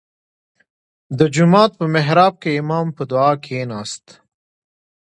• د جومات په محراب کې امام په دعا کښېناست.